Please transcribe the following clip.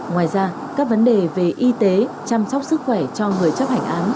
ngoài ra các vấn đề về y tế chăm sóc sức khỏe cho người chấp hành án